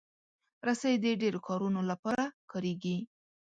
رسۍ د ډیرو کارونو لپاره کارېږي.